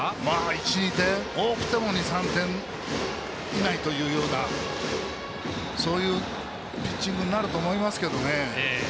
１、２点多くても２、３点以内というようなそういうピッチングになると思いますけどね。